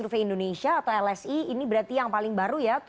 survei indonesia atau lsi ini berarti yang paling baru ya